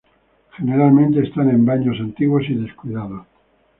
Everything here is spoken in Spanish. Generalmente están en baños antiguos y descuidados.